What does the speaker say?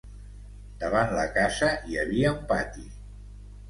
Davant la casa hi havia un pati.